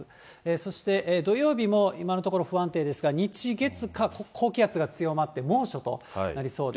そして、土曜日も今のところ、不安定ですが、日月火、ここ高気圧が強まって、猛暑となりそうです。